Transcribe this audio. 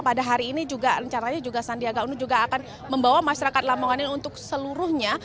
pada hari ini juga rencananya juga sandiaga uno juga akan membawa masyarakat lamongan ini untuk seluruhnya